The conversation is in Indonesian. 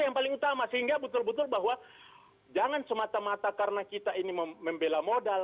yang paling utama sehingga betul betul bahwa jangan semata mata karena kita ini membela modal